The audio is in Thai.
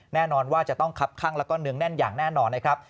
แน่นอนว่าจะต้องคับข้างแล้วก็เนืองแน่นอย่างแน่นอนนะครับ